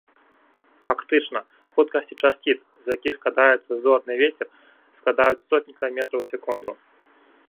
Фактычна, хуткасці часціц, з якіх складаецца зорны вецер, складаюць сотні кіламетраў у секунду.